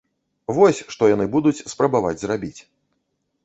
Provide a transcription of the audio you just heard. Вось што яны будуць спрабаваць зрабіць.